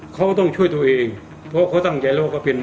เขาต้องช่วยตัวเองเพราะเขาตั้งใจแล้วว่าเขาเป็น